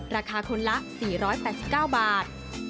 ราคาคนละ๔๘๙บาท